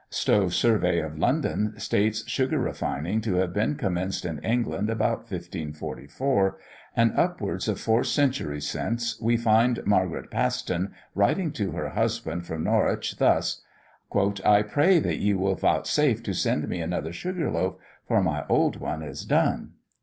Stow's Survey of London states sugar refining to have been commenced in England about 1544; and upwards of four centuries since we find Margaret Paston writing to her husband from Norwich thus: "I pray, that ye will vouchsafe to send me another sugar loaf, for my old one is done."